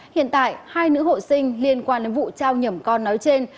hiện tại hai nữ hội sinh liên quan đến vụ trao nhầm con nói trên